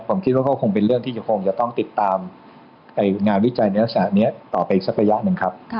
ผมคิดว่าเขาคงเป็นเรื่องที่คงจะต้องติดตามงานวิจัยในลักษณะนี้ต่อไปอีกสักระยะหนึ่งครับ